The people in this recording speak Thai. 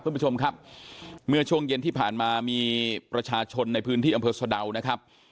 คุณผู้ชมครับเมื่อช่วงเย็นที่ผ่านมามีประชาชนในพื้นที่อำเภอสะดาวนะครับ